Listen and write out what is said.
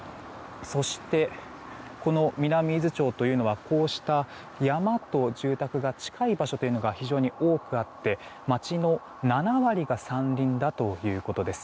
そして、南伊豆町というのはこうした山と住宅が近い場所というのが非常に多くあって町の７割が山林だということです。